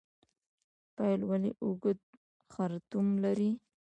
پیل ولې اوږد خرطوم لري؟